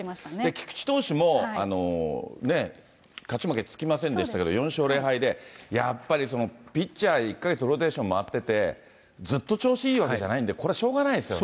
菊池投手も勝ち負けつきませんでしたけれども、４勝０敗で、やっぱりピッチャー１か月ローテーション回ってて、ずっと調子いいわけじゃないんで、これはしょうがないですよね。